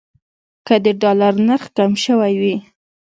که د ډالر نرخ کم شوی وي.